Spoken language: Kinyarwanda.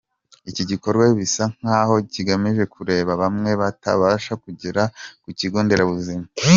Iki gikorwa bisa nk’aho kigamije kureba bamwe batabasha kugera ku kigo nderabuzima.